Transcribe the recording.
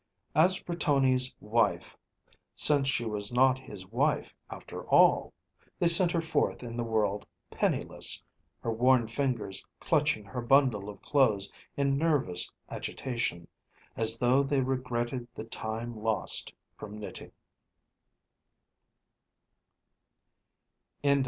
As for Tony's wife, since she was not his wife after all, they sent her forth in the world penniless, her worn fingers clutching her bundle of clothes in nervous agitation, as though they regretted the time lost from knitting.